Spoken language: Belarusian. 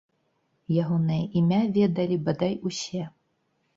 Ягонае імя ведалі, бадай, усе.